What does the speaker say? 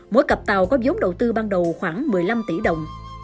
mỗi cặp tàu có giống đầu tư ban đầu khoảng một mươi năm tỷ đồng